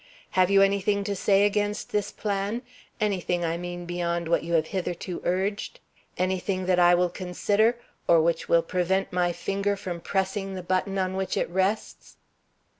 Have you anything to say against this plan? Anything, I mean, beyond what you have hitherto urged? Anything that I will consider or which will prevent my finger from pressing the button on which it rests?"